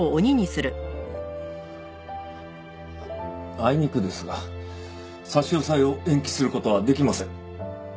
あいにくですが差し押さえを延期する事はできません。